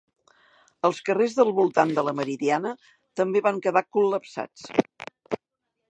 Els carrers del voltant de la Meridiana també van quedar col·lapsats